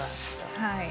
はい。